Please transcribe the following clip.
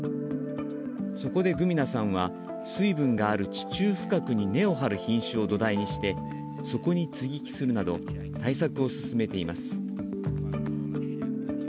そこでグミナさんは水分がある地中深くに根を張る品種を土台にしてそこに接ぎ木するなど対策を進めています。